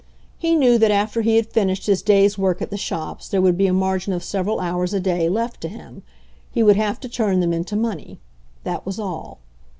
. He knew that after he had finished his day's work at the shops there would be a margin of several hours a day left to him. He would have to turn them into money. That was all.